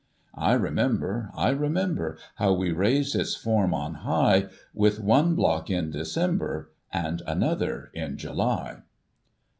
I remember, I remember. How we raised its form on high. With one block in December, And another in July.